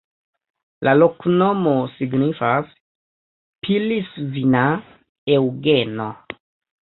La loknomo signifas: Pilisvina-Eŭgeno.